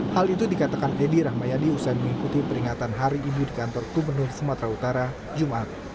hal itu dikatakan edi rahmayadi usai mengikuti peringatan hari ibu di kantor gubernur sumatera utara jumat